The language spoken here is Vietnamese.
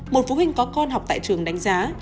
một phụ huynh có con học tại trường đánh giá